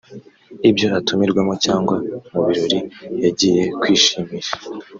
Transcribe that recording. ibyo atumirwamo cyangwa mu birori yagiye kwishimisha